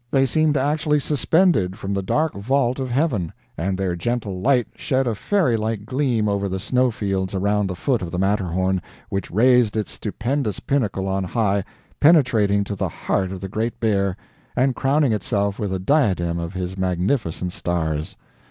They seemed actually suspended from the dark vault of heaven, and their gentle light shed a fairylike gleam over the snow fields around the foot of the Matterhorn, which raised its stupendous pinnacle on high, penetrating to the heart of the Great Bear, and crowning itself with a diadem of his magnificent stars.